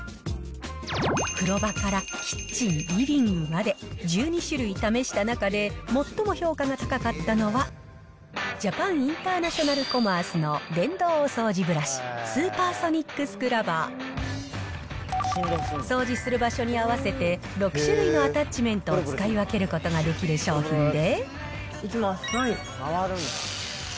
風呂場からキッチン、リビングまで、１２種類試した中で、最も評価が高かったのは、ジャパンインターナショナルコマースの電動お掃除ブラシ、スーパーソニックスクラバー。掃除する場所に合わせて、６種類のアタッチメントを使い分けることができる商品で。